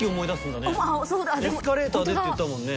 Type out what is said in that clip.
「エスカレーターで」って言ったもんね。